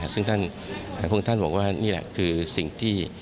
ซึ่งพระองค์ท่านบอกว่านี่แหละคือสิ่งที่